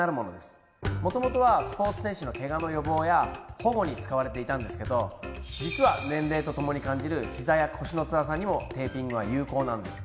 元々はスポーツ選手のケガの予防や保護に使われていたんですけど実は年齢とともに感じるひざや腰のつらさにもテーピングは有効なんです。